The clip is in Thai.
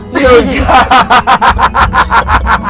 มีคนตาหนูหลุดป่ะ